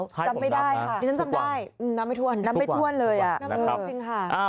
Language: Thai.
จำไม่ได้ค่ะทุกวันน้ำไม่ถ้วนเลยน้ำไม่ถ้วนค่ะทุกวัน